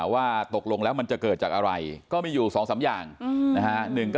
ว่าตกลงแล้วมันจะเกิดจากอะไรก็มีอยู่๒๓อย่างนะฮะ